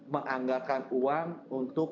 menganggarkan uang untuk